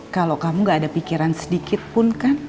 kalau kamu gak ada pikiran sedikit pun kan